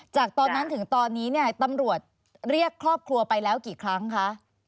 จากตอนนั้นถึงตอนนี้เนี่ยตำรวจเรียกครอบครัวไปแล้วกี่ครั้งคะ